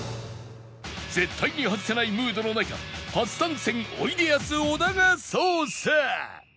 絶対に外せないムードの中初参戦おいでやす小田が捜査